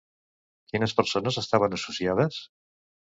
Quines persones estaven associades?